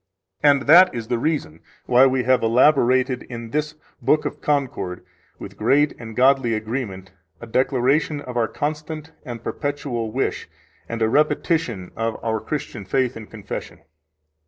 And that is the reason why we have elaborated in this Book of Concord with great and godly agreement a declaration of our constant and perpetual, wish, and a repetition of our Christian faith and confession.